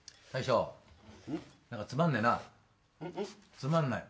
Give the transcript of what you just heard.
つまんない。